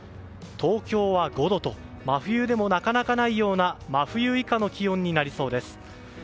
東京は５度と真冬でもなかなかないような真冬以下の気温になりそうです。